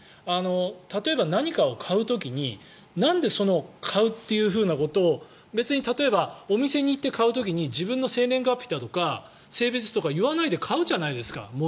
例えば何かを買う時になんで買うっていうふうなことを別に例えば、お店に行って買う時に自分の生年月日だとか性別とか言わないでものを買うじゃないですか。